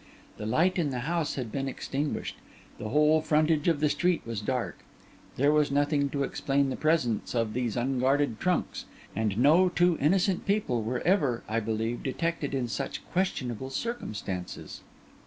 The light in the house had been extinguished; the whole frontage of the street was dark; there was nothing to explain the presence of these unguarded trunks; and no two innocent people were ever, I believe, detected in such questionable circumstances.